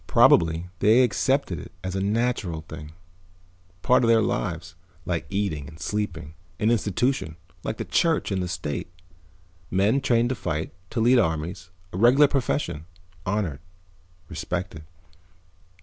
Probably they accepted it as a natural thing, part of their lives, like eating and sleeping. An institution, like the church and the state. Men trained to fight, to lead armies, a regular profession. Honored, respected."